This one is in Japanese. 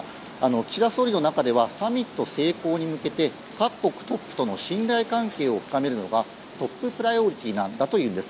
岸田総理の中ではサミット成功に向けて各国のトップとの信頼関係を深めるのがトッププライオリティーというんです。